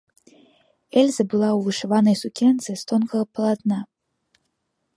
Эльза была ў вышыванай сукенцы з тонкага палатна.